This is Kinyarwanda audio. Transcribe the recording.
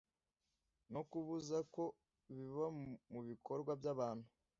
no kubuza ko biba mu bikorwa by’abantu